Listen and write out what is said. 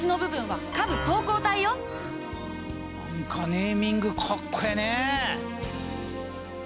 何かネーミングかっこええね！